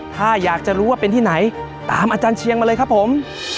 ถ้าอยากจะรู้ว่าเป็นที่ไหนตามอาจารย์เชียงมาเลยครับผม